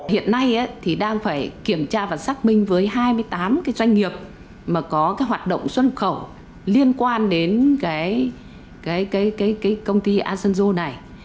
hiện nay thì đang phải kiểm tra và xác minh với hai mươi tám doanh nghiệp mà có hoạt động xuân khẩu liên quan đến công ty asanjo này